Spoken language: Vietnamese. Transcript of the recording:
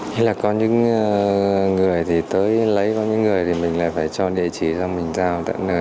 hay là có những người thì tới lấy có những người thì mình lại phải cho địa chỉ rồi mình rào tận nơi